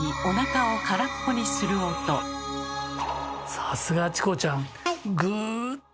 さすがチコちゃん！